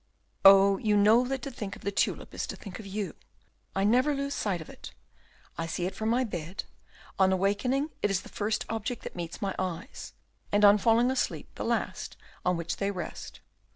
"Oh, you know that to think of the tulip is to think of you; I never lose sight of it. I see it from my bed, on awaking it is the first object that meets my eyes, and on falling asleep the last on which they rest.